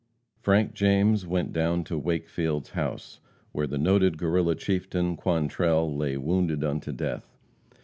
Frank James went down to Wakefield's house, where the noted Guerrilla chieftain, Quantrell, lay wounded unto death.